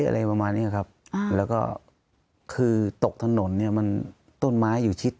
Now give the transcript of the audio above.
อะไรประมาณนี้ครับแล้วก็คือตกถนนเนี่ยมันต้นไม้อยู่ชิด